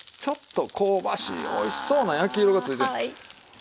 ちょっと香ばしいおいしそうな焼き色がついて。